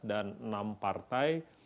dan enam partai